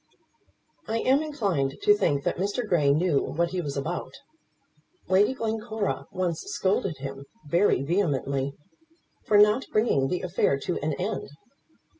I am inclined to think that Mr. Grey knew what he was about. Lady Glencora once scolded him very vehemently for not bringing the affair to an end.